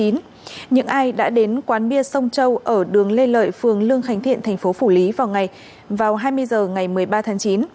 những ai đã đến quán bia sông châu ở đường lê lợi phường lương khánh thiện thành phố phủ lý vào hai mươi h ngày một mươi ba tháng chín